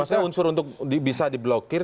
maksudnya unsur untuk bisa diblokir